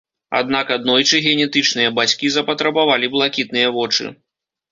Аднак аднойчы генетычныя бацькі запатрабавалі блакітныя вочы.